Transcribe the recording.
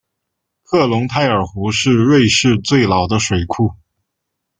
克隆泰尔湖是瑞士最老的水库。